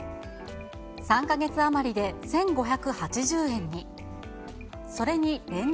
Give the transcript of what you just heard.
３か月余りで１５８０円に。